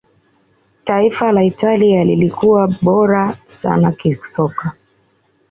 taifa la italia lilikuwa bora sana kisoka